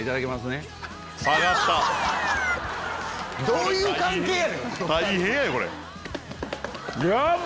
どういう関係やねん！